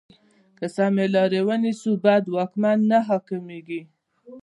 که سمې لارې ونیسو، بد واکمن نه حاکمېږي.